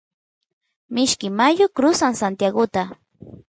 mishki mayu crusan santiaguta